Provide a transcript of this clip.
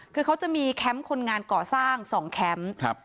คือเขาจะมีแคมป์คนงานก่อสร้าง๒แคมป์